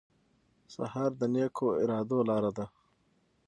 سهار د نیکو ارادو لاره ده.